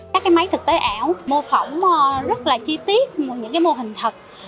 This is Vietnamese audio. các máy thực tế ảo mô phỏng rất chi tiết những mô hình thật